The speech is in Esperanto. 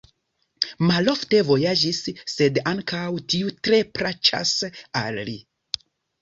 Malofte vojaĝas, sed ankaŭ tio tre plaĉas al li.